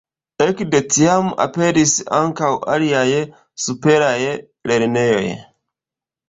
Ekde tiam aperis ankaŭ aliaj superaj lernejoj.